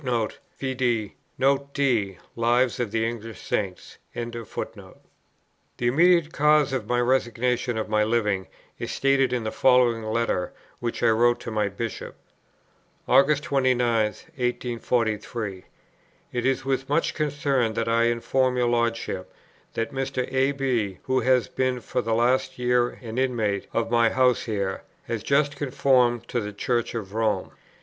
Vide Note D, Lives of the English Saints. The immediate cause of the resignation of my Living is stated in the following letter, which I wrote to my Bishop: "August 29, 1843. It is with much concern that I inform your Lordship, that Mr. A. B., who has been for the last year an inmate of my house here, has just conformed to the Church of Rome.